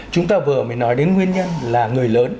chúng ta vừa mới nói đến nguyên nhân là người lớn